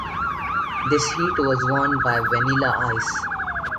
This heat was won by Vanilla Ice.